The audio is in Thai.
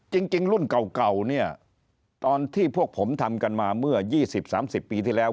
จริงรุ่นเก่าเนี่ยตอนที่พวกผมทำกันมาเมื่อ๒๐๓๐ปีที่แล้ว